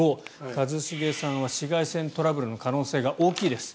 一茂さんは紫外線トラブルの可能性が大きいです。